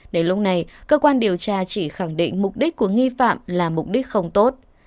đến lúc này cơ quan điều tra chỉ khẳng định mục đích của nghi phạm là mục đích không tốt